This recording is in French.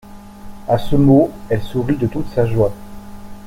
A ce mot, elle sourit de toute sa joie.